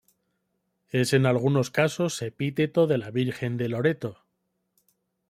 Es en algunos casos epíteto de la Virgen de Loreto.